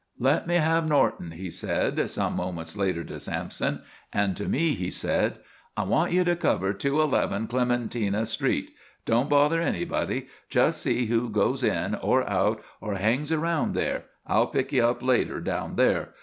"Let me have Norton," he said, some moments later to Sampson, and to me he said: "I want you to cover 211 Clementina Street. Don't bother anybody. Just see who goes in or out or hangs around there. I'll pick you up later down there.